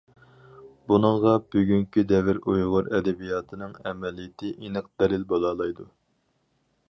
بۇنىڭغا بۈگۈنكى دەۋر ئۇيغۇر ئەدەبىياتىنىڭ ئەمەلىيىتى ئېنىق دەلىل بولالايدۇ.